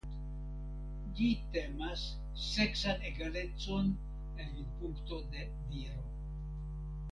Ĝi temas seksan egalecon el vidpunkto de viro.